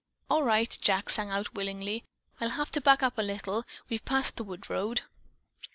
"All right," Jack sang out willingly. "I'll have to back up a little. We've passed the wood road."